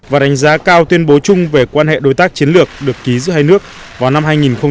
và đánh giá cao tuyên bố chung về quan hệ đối tác chiến lược được ký giữa hai nước vào năm hai nghìn hai mươi